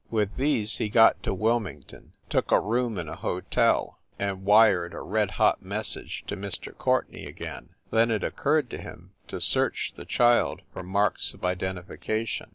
With these he got to Wilmington, took a room in a hotel, and wired a red hot message to Mr. Courtenay again. Then it occurred to him to search the child for marks of identification.